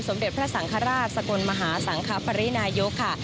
เด็จพระสังฆราชสกลมหาสังคปรินายกค่ะ